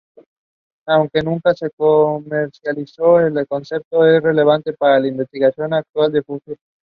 Aunque nunca se comercializó, el concepto es relevante para la investigación actual y futura.